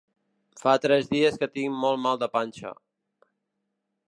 Fa tres dies que tinc molt mal de panxa.